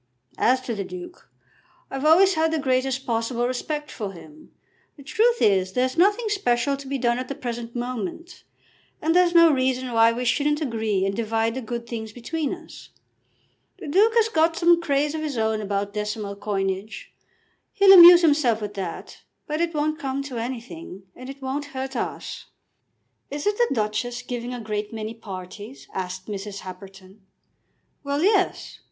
As to the Duke, I've always had the greatest possible respect for him. The truth is, there's nothing special to be done at the present moment, and there's no reason why we shouldn't agree and divide the good things between us. The Duke has got some craze of his own about decimal coinage. He'll amuse himself with that; but it won't come to anything, and it won't hurt us." "Isn't the Duchess giving a great many parties?" asked Mrs. Happerton. "Well; yes.